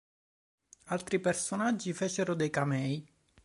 Altri personaggi fecero dei camei.